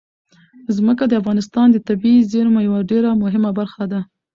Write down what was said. ځمکه د افغانستان د طبیعي زیرمو یوه ډېره مهمه برخه ده.